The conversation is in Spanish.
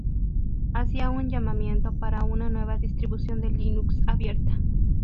Hacía un llamamiento para una nueva distribución de Linux abierta.